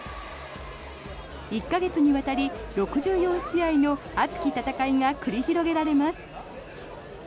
１か月にわたり６４試合の熱き戦いが繰り広げられます。